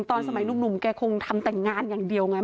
ตอนสมัยหนุ่มแกคงทำแต่งงานอย่างเดียวไง